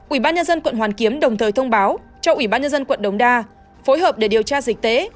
ubnd quận hoàn kiếm đồng thời thông báo cho ubnd quận đồng đa phối hợp để điều tra dịch tế